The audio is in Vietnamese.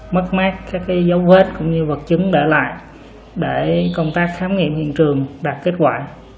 mất mát các dấu vết cũng như vật chứng để lại để công tác khám nghiệm hiện trường đạt kết quả